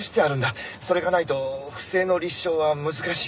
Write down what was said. それがないと不正の立証は難しい。